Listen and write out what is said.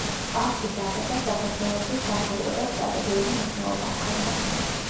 ყარსის აღებას საქართველოსთვის სამხედრო და სტრატეგიული მნიშვნელობა ჰქონდა.